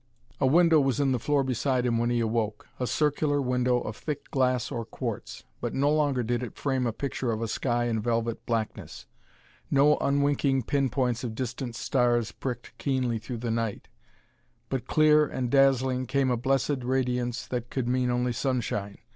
A window was in the floor beside him when he awoke a circular window of thick glass or quartz. But no longer did it frame a picture of a sky in velvet blackness; no unwinking pin points of distant stars pricked keenly through the night; but, clear and dazzling, came a blessed radiance that could mean only sunshine.